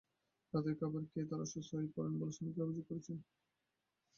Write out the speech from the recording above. রাতের খাবার খেয়েই তাঁরা অসুস্থ হয়ে পড়েন বলে শ্রমিকেরা অভিযোগ করেছেন।